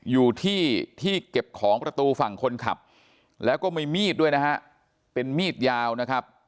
อยู่ที่ที่เก็บของประตูฝั่งคนขับแล้วก็มีมีดด้วยนะฮะเป็นมีดยาวนะครับ